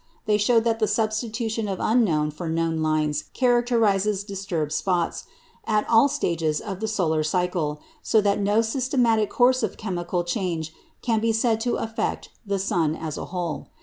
They showed that the substitution of unknown for known lines characterizes disturbed spots, at all stages of the solar cycle, so that no systematic course of chemical change can be said to affect the sun as a whole.